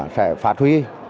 sẽ phát huy